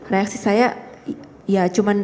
reaksi saya ya cuman